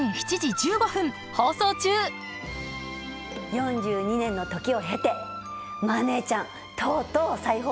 ４２年の時を経て「マー姉ちゃん」とうとう再放送されます。